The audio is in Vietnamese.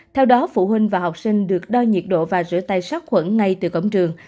theo đó phụ huynh và học sinh được đo nhiệt độ và rửa tay sát khuẩn ngay từ cổng trường